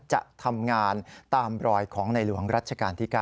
จะทำงานตามรอยของในหลวงรัชกาลที่๙